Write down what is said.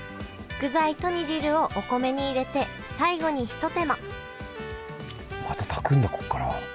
具材と煮汁をお米に入れて最後にひと手間また炊くんだここから。